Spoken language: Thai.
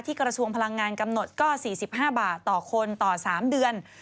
กระทรวงพลังงานกำหนดก็๔๕บาทต่อคนต่อ๓เดือน